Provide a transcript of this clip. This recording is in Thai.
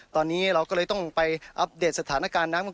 ตอนนี้เราก็เลยต้องไปอัปเดตสถานการณ์น้ำ